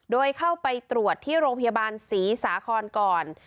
โดยเข้าไปตรวจที่โรงพยาบาลศรีสาครก่อน